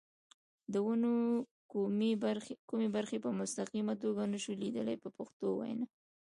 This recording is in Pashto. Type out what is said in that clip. د ونو کومې برخې په مستقیمه توګه نشو لیدلای په پښتو وینا.